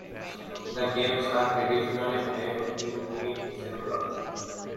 The games are traditionally played in mid-December.